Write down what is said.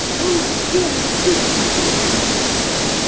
Oh, dearest, do say you approve!'